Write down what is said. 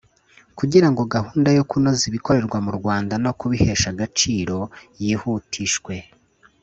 kugira ngo gahunda yo kunoza ibikorerwa mu Rwanda no kubihesha agaciro yihutishwe